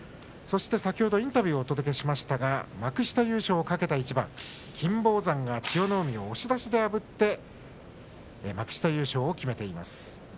そして先ほどインタビューをお届けしましたが幕下優勝を懸けた一番金峰山が千代の海を押し出しで破って幕下優勝を決めています。